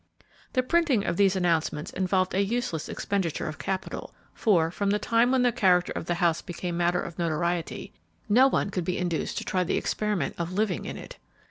The printing of these announcements involved a useless expenditure of capital, for, from the time when the character of the house became matter of notoriety, no one could be induced to try the experiment of living in it.